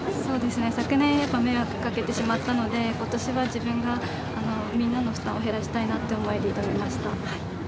昨年迷惑かけてしまったので、今年は自分がみんなの負担を減らしたいという思いで挑みました。